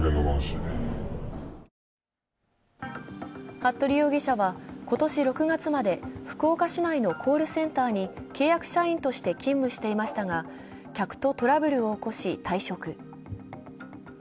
服部容疑者は今年６月まで福岡市内のコールセンターに契約社員として勤務していましたが、客とトラブルを起こし退職。